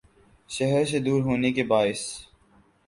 شہر سے دور ہونے کے باعث